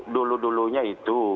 memang dulu dulunya itu